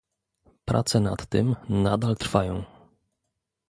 Prace nad tym nadal trwają